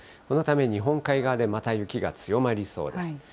このため、日本海側でまた雪が強まりそうです。